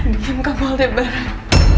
diam kamu halnya bareng